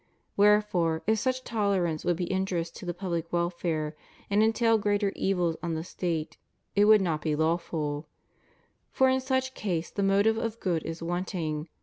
Where fore, if such tolerance would be injurious to the public welfare, and entail greater evils on the State, it would not be lawful; for in such case the motive of good is wanting.